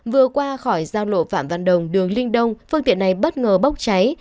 vừa qua khỏi giao lộ phạm văn đồng đường linh đông phương tiện này bất ngờ bốc cháy